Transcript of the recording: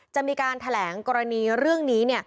จะมีการแถลงกรณีเรื่องนี้